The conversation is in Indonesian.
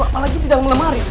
apalagi di dalam lemari